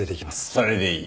それでいい。